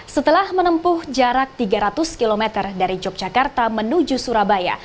setelah menempuh jarak tiga ratus km dari yogyakarta menuju surabaya